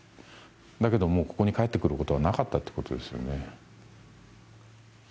だけど、もうここに帰ってくることはなかったってことですよね。